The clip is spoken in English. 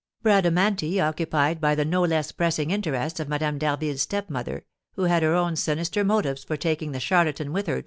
Bradamanti, occupied by the no less pressing interests of Madame d'Harville's stepmother, who had her own sinister motives for taking the charlatan with her to M.